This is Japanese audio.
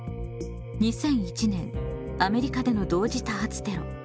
２００１年アメリカでの「同時多発テロ」